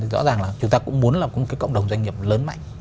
rõ ràng là chúng ta cũng muốn là một cộng đồng doanh nghiệp lớn mạnh